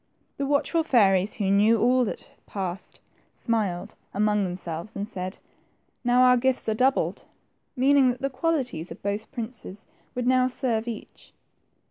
The watchful fairies, who knew all that passed, smiled THE TWO FRINGES. 77 among themselves^ and said, ^^Now our gifts are doubled,'' meaning that the qualities of both princes would now serve each.